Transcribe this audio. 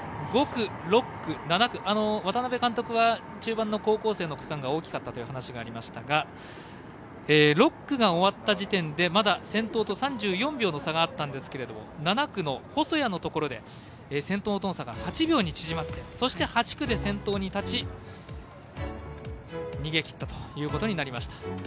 ５区、６区、７区渡部監督は中盤の高校生の区間が大きかったという話がありましたが６区が終わった時点でまだ先頭と３４秒の差があったんですが７区の細谷のところで先頭との差が８秒に縮まってそして８区で先頭に立ち逃げきったということになりました。